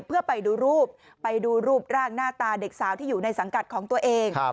เพื่อไปดูรูปไปดูรูปร่างหน้าตาเด็กสาวที่อยู่ในสังกัดของตัวเอง